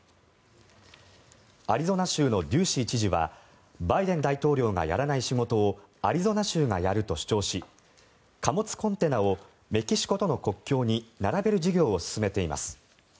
アリゾナ州のデューシー知事はバイデン大統領がやらない仕事をアリゾナ州がやると主張し貨物コンテナをメキシコとの国境に並べる事業を進めています。